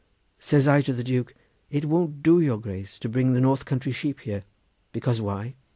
Says I to the Duke, 'It won't do, your Grace, to bring the north country sheep here: because why?